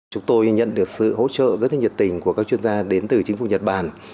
chúng tôi nhận được sự hỗ trợ rất nhiệt tình của các chuyên gia đến từ chính phủ nhật bản